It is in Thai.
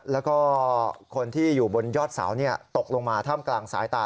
แล้วก็คนที่อยู่บนยอดเสาตกลงมาถ้ำกลางสายตา